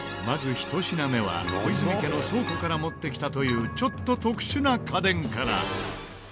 まず１品目は小泉家の倉庫から持ってきたというちょっと特殊な家電から。